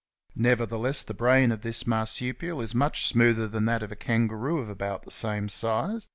Nevertheless the brain of this Mar 4 supial is much smoother than that of a Kangaroo of about the same size.